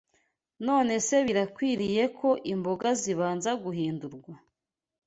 Nonese birakwiriye ko imboga zibanza guhindurwa